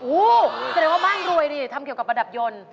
โอ้โหแสดงว่าบ้านรวยดิทำเกี่ยวกับประดับยนต์